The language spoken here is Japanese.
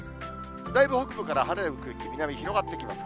だいぶ北部から晴れの区域、南に広がってきます。